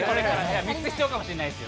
３つ必要かもしれないですよ。